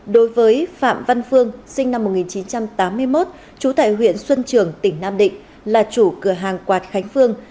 đối với phạm văn phương sinh năm một nghìn chín trăm tám mươi một trú tại huyện xuân trường tỉnh nam định là chủ cửa hàng quạt khánh phương